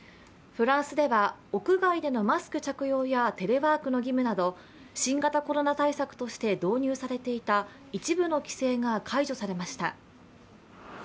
フランスでは屋外でのマスク着用やテレワークの義務など新型コロナ対策として導入されていた一部の規制が解除されました。